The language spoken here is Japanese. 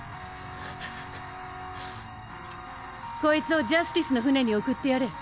こいつをジャスティスの船に送ってやれ。